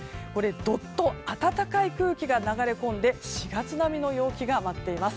どっと暖かい空気が流れ込んで４月並みの陽気が待っています。